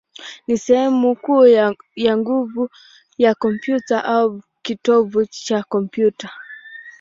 ni sehemu kuu ya nguvu ya kompyuta, au kitovu cha kompyuta.